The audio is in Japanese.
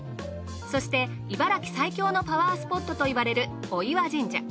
そして茨城最強のパワースポットといわれる御岩神社。